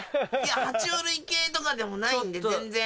爬虫類系とかでもないんで全然。